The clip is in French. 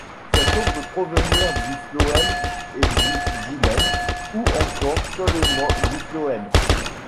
Cette eau peut provenir du phloème et du xylème, ou encore seulement du phloème.